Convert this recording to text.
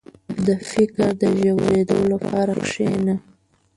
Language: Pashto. • د فکر د ژورېدو لپاره کښېنه.